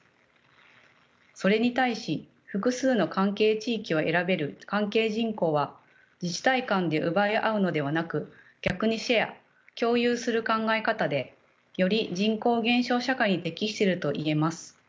それに対し複数の関係地域を選べる関係人口は自治体間で奪い合うのではなく逆にシェア共有する考え方でより人口減少社会に適していると言えます。